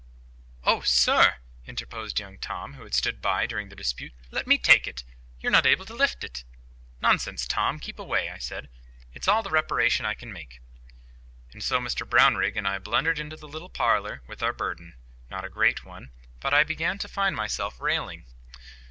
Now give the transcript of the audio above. "Oh! sir," interposed young Tom, who had stood by during the dispute, "let me take it. You're not able to lift it." "Nonsense! Tom. Keep away," I said. "It is all the reparation I can make." And so Mr Brownrigg and I blundered into the little parlour with our burden—not a great one, but I began to find myself failing.